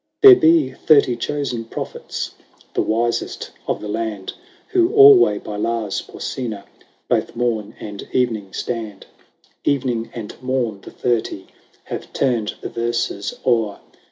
IX. There be thirty chosen prophets. The wisest of the land, Who alway by Lars Porsena Both morn and evening stand : HOEATIUS. 47 Evening and morn the Thirty Have turned the verses o'er.